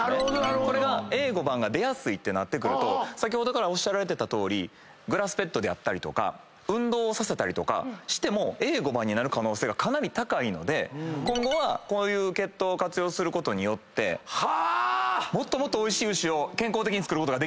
これがＡ５番が出やすいってなると先ほどおっしゃられてたとおりグラスフェッドであったりとか運動をさせたりしてもＡ５番になる可能性がかなり高いので今後はこういう血統を活用することによってもっとおいしい牛を健康的につくることできるんじゃないか。